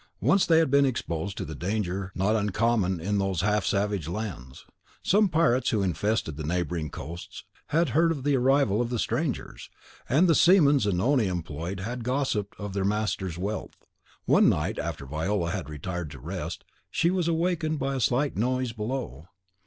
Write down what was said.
Once they had been exposed to the danger not uncommon in those then half savage lands. Some pirates who infested the neighbouring coasts had heard of the arrival of the strangers, and the seamen Zanoni employed had gossiped of their master's wealth. One night, after Viola had retired to rest, she was awakened by a slight noise below.